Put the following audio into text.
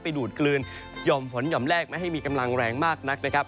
ดูดกลืนหย่อมฝนห่อมแรกไม่ให้มีกำลังแรงมากนักนะครับ